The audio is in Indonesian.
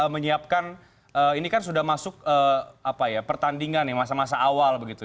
menyiapkan ini kan sudah masuk pertandingan ya masa masa awal begitu